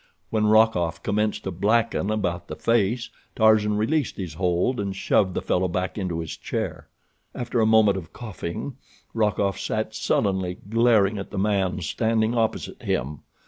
When Rokoff commenced to blacken about the face Tarzan released his hold and shoved the fellow back into his chair. After a moment of coughing Rokoff sat sullenly glaring at the man standing opposite him.